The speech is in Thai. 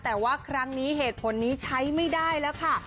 แต่ว่าครั้งนี้เหตุผลนี้ใช้ไม่ได้แล้วค่ะ